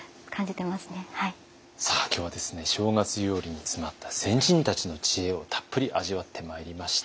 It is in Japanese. さあ今日は正月料理に詰まった先人たちの知恵をたっぷり味わってまいりました。